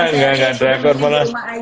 enggak gak drakor